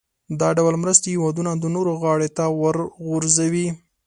دا ډول مرستې هېوادونه د نورو غاړې ته ورغورځوي.